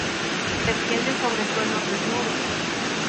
Se extiende sobre suelos desnudos.